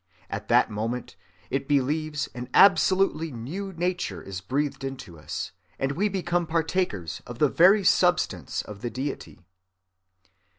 At that moment, it believes, an absolutely new nature is breathed into us, and we become partakers of the very substance of the Deity.